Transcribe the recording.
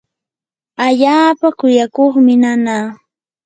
allaapa kuyakuqmi nanaa.